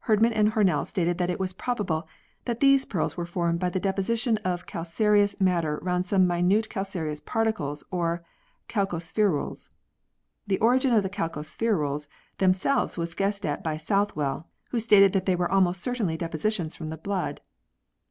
Herdman and Hornell stated that it was probable that these pearls were formed by the deposition of calcareous matter round some minute calcareous particles or calcospherules. The origin of the calcospherules themselves was guessed at by Southwell, who stated that they were almost certainly depositions from the blood.